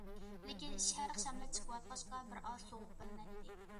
لېكىن، شەرق شامىلى چىقىۋاتقاچقا بىر ئاز سوغۇق بىلىنەتتى.